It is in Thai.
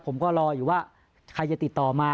ผมก็รออยู่ว่าใครจะติดต่อมา